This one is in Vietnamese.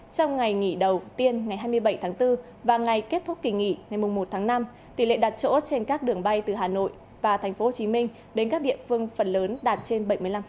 trong ngày nghỉ đầu tiên ngày hai mươi bảy tháng bốn và ngày kết thúc kỳ nghỉ ngày một tháng năm tỷ lệ đặt chỗ trên các đường bay từ hà nội và tp hcm đến các địa phương phần lớn đạt trên bảy mươi năm